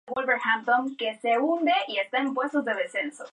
En el centro de la bandera debe ir el escudo.